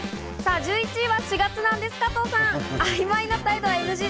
１１位は４月なんです、加藤さん。